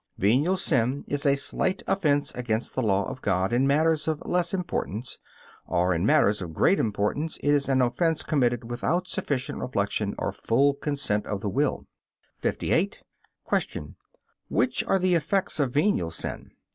Venial sin is a slight offense against the law of God in matters of less importance, or in matters of great importance it is an offense committed without sufficient reflection or full consent of the will. 58. Q. Which are the effects of venial sin?